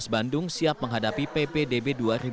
bandung siap menghadapi ppdb dua ribu dua puluh